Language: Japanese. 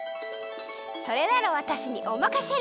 それならわたしにおまかシェル！